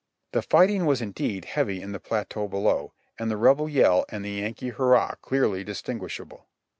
The fighting was indeed heavy in the pleateau below, and the Rebel yell and the Yankee hurrah clearly distinguishable.